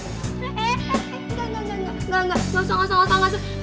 engga engga engga gausah gausah gausah